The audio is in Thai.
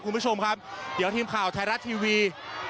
คุณผู้ชมครับเดี๋ยวทีมข่าวไทยรัฐทีวี